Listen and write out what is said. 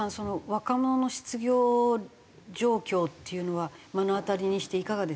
若者の失業状況っていうのは目の当たりにしていかがですか？